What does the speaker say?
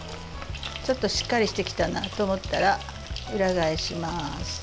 ちょっとしっかりしてきたなと思ったら裏返します。